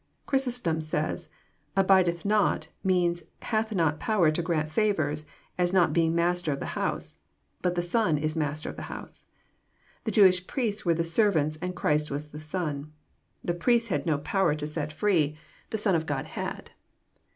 Chrysostom says :"* Abide th not* means * hath not power to grant favours, as not being master of the house ;' but the Son is master of the house." The Jewish priests were the servants, and Christ was the Son. The priests had no power to set froe ; 108 EXPOSITORY THOUGHTS. the Son of Grod bad.